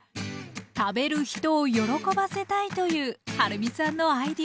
「食べる人を喜ばせたい！」というはるみさんのアイデアです。